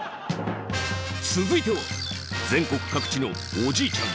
続いては全国各地のおじいちゃん